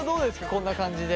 こんな感じで。